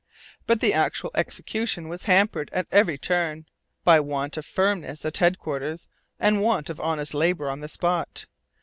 But the actual execution was hampered, at every turn, by want of firmness at headquarters and want of honest labour on the spot.